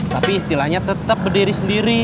tapi istilahnya tetap berdiri sendiri